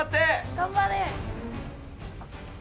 頑張れ！